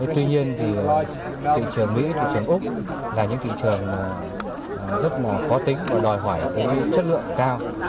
tuy nhiên thì thị trường mỹ thị trường úc là những thị trường rất khó tính và đòi hỏi chất lượng cao